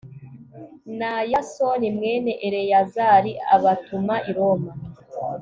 na yasoni mwene eleyazari, abatuma i roma